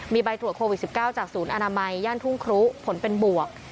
มีใบตรวจโควิด๑๙จากศูนย์อนามัยย่านทุ่งครุผลเป็นบวก